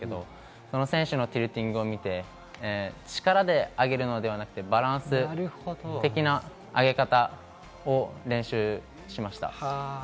その選手のティルティングを見て、力であげるのではなく、バランス的な上げ方を練習しました。